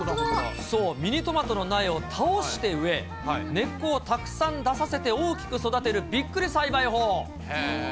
そう、ミニトマトの苗を倒して植え、根っこをたくさん出させて大きく育てるびっくり栽培法。